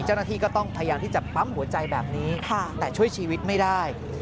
เจ้าหน้าที่ก็ต้องพยายามที่จะปั๊มหัวใจแบบนี้แต่ช่วยชีวิตไม่ได้